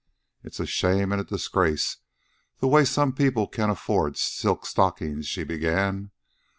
"It's a shame an' a disgrace the way some people can afford silk stockings," she began.